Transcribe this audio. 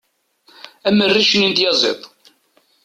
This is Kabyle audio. am rric-nni n tyaziḍt